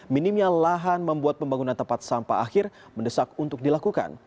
minimnya lahan membuat pembangunan tempat sampah akhir mendesak untuk dilakukan